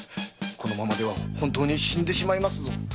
このままでは本当に死んでしまいますぞ〕